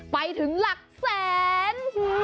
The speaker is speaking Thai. ไปถึงหลักแสน